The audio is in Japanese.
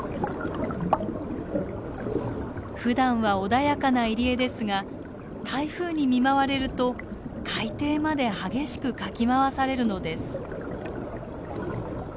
ふだんは穏やかな入り江ですが台風に見舞われると海底まで激しくかき回されるのです。